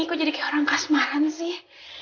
aku jadi kayak orang kasmaran sih